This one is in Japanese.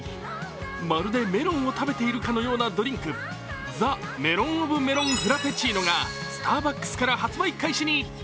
まるでメロンを食べているかのようなドリンク、Ｔｈｅメロンｏｆメロンフラペチーノがスターバックスから発売開始に。